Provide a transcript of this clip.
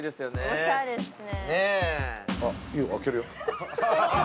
おしゃれっすね。